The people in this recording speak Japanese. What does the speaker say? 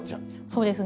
そうですね。